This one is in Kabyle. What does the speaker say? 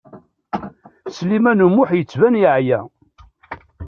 Sliman U Muḥ yettban yeɛya.